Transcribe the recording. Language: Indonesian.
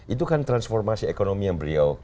itu kan transformasi ekonomi yang beliau